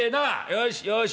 よしよし